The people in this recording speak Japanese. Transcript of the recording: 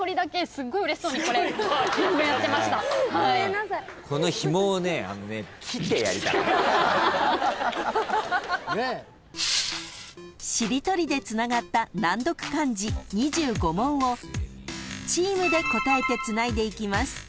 ［しりとりでつながった難読漢字２５問をチームで答えてつないでいきます］